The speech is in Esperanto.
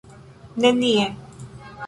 nenie